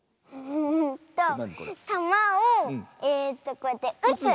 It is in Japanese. うんとたまをえとこうやってうつ。